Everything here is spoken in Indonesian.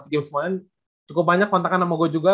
games kemarin cukup banyak kontakan sama gua juga